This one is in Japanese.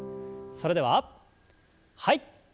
それでははい。